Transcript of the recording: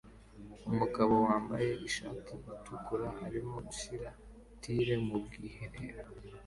Umugabo wambaye ishati itukura arimo gushyira tile mubwiherero